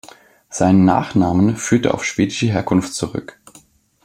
Seinen Nachnamen führt er auf schwedische Herkunft zurück.